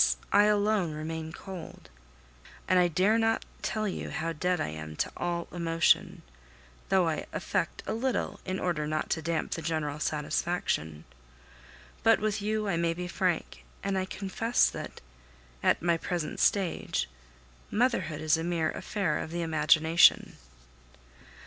I alone remain cold, and I dare not tell you how dead I am to all emotion, though I affect a little in order not to damp the general satisfaction. But with you I may be frank; and I confess that, at my present stage, motherhood is a mere affair of the imagination.